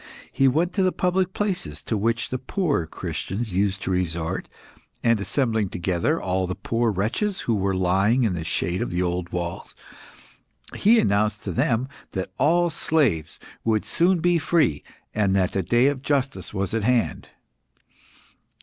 He went to the public places to which the poorer Christians used to resort, and assembling together all the poor wretches who were lying in the shade of the old walls, he announced to them that all slaves would soon be free, and that the day of justice was at hand.